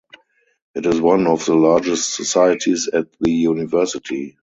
It is one of the largest societies at the university.